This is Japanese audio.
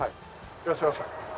いらっしゃいました。